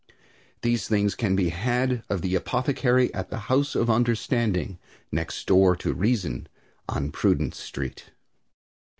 These things can be had of the apothecary at the house of Understanding next door to Reason, on Prudent street.